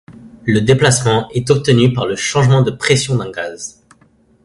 Le déplacement est obtenu par le changement de pression d'un gaz.